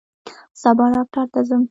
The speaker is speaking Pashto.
سبا ډاکټر ته ځم